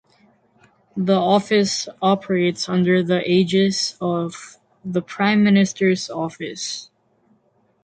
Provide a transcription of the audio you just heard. The office operates under the aegis of the Prime Minister's Office.